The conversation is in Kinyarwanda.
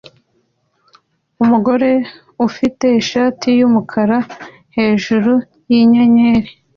Umugore ufite ishati yumukara hejuru yinyenyeri